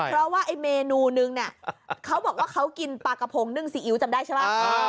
เพราะว่าเมนูนึงเค้าบอกว่าเค้ากินปลากะพ๋องนึ่งซีอิ๊วจำได้ใช่ปะ